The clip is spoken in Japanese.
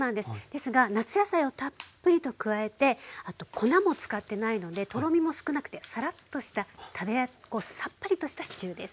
ですが夏野菜をたっぷりと加えてあと粉も使ってないのでとろみも少なくてサラッとしたさっぱりとしたシチューです。